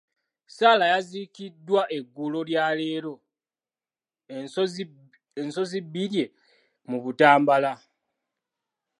Sarah yaziikiddwa eggulo lyaleero e Nsozibbirye mu Butambala.